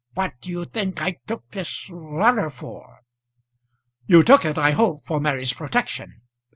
What do you think I took this letter for?" "You took it, I hope, for Mary's protection."